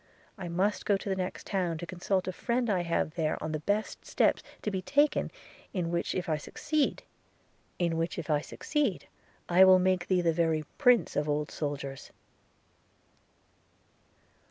– I must go to the next town, to consult a friend I have there on the best steps to be taken; in which if I succeed, I will make thee the very prince of old soldiers.'